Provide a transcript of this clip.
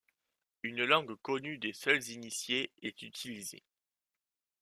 Une langue connue des seuls initiés est utilisée.